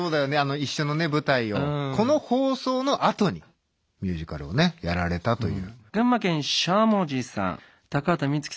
一緒の舞台をこの放送のあとにミュージカルをねやられたという。